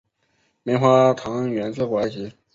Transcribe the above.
棉花糖源自古埃及。